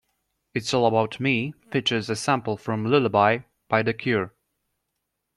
"It's All About Me" features a sample from "Lullaby" by The Cure.